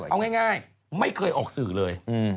เอาง่ายไม่เคยออกสื่อเลย